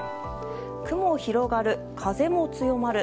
雲広がる、風も強まる。